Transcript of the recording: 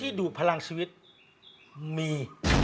ดูพลังชีวิตมี